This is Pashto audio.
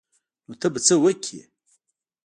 نو ته به څه وکې.